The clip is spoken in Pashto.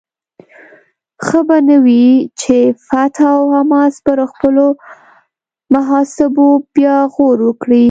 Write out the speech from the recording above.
ښه به نه وي چې فتح او حماس پر خپلو محاسبو بیا غور وکړي؟